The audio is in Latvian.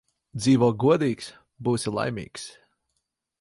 Dzīvo godīgs – būsi laimīgs